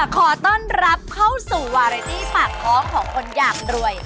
ขอต้อนรับเข้าสู่วาระดีปากครองของคนอีย่างรวย